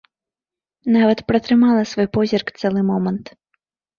Нават пратрымала свой позірк цэлы момант.